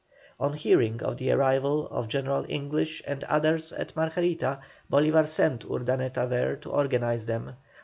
On hearing of the arrival of General English and others at Margarita, Bolívar sent Urdaneta there to organize them.